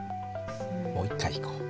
もう一回いこう。